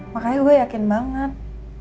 makanya gue yakin banget